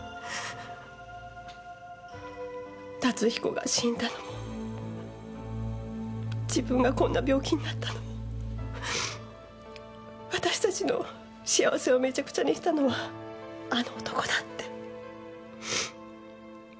龍彦が死んだのも自分がこんな病気になったのも私たちの幸せをめちゃくちゃにしたのはあの男だって。